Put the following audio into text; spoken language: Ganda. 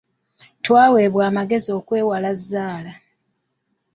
Twaweebwa amagezi okwewala zzaala.